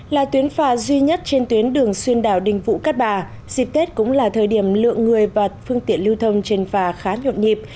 là tuyến phà duy nhất trên tuyến đường xuyên đảo đình vũ cát bà dịp tết cũng là thời điểm lượng người và phương tiện lưu thông trên phà khá nhộn nhịp